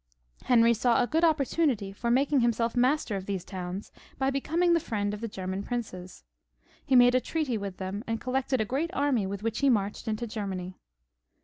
Henry saw a good opportunity for making himself master of these towns by becoming the friend of the German princes. He made a treaty with them, and col lected a great army with which he marched into Germany.